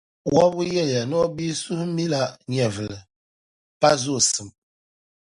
Wɔbigu yɛliya ni o bia suhimila nyɛvili, pa zoosim.